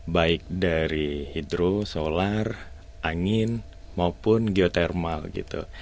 baik dari hidro solar angin maupun geotermal gitu